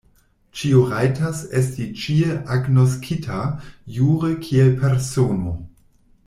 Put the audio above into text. Ĉiu rajtas esti ĉie agnoskita jure kiel persono.